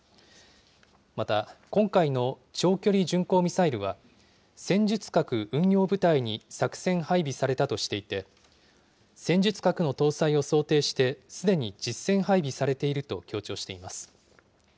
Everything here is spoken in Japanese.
また、今回の長距離巡航ミサイルは、戦術核運用部隊に作戦配備されたとしていて、戦術核の搭載を想定してすでに実戦配備されていると強調しています。